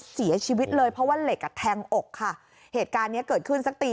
เสียชีวิตเลยเพราะว่าเหล็กอ่ะแทงอกค่ะเหตุการณ์เนี้ยเกิดขึ้นสักตี